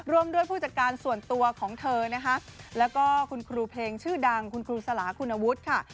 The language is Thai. ร่วมด้วยผู้จัดการส่วนตัวของเธอนะคะแล้วก็คุณครูเพลงชื่อดังคุณครูสลาคุณวุฒิค่ะ